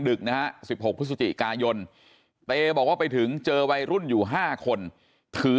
ดึกนะฮะ๑๖พฤศจิกายนเตบอกว่าไปถึงเจอวัยรุ่นอยู่๕คนถือ